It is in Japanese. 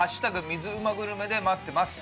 水うまグルメ」で待ってます。